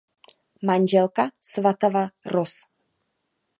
Manželka Svatava roz.